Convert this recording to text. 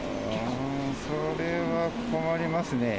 それは困りますね。